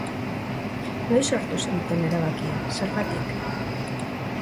Noiz hartu zenuten erabakia, zergatik?